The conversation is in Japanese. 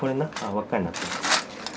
輪っかになってるやつ。